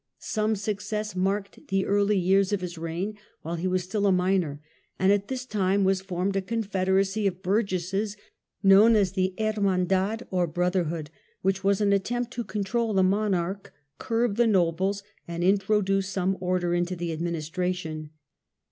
Some success marked the early years 1312 of his reign while he was still a minor ; and at this time was formed a Confederacy of burgesses known as the Hermandad or brotherhood, which was an attempt to control the monarch, curb the nobles and introduce some order into the administration.